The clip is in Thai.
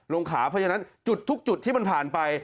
ลงขาเพราะฉะนั้นทุกที่มันผ่านไป